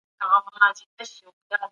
ذمي زموږ ورور دی.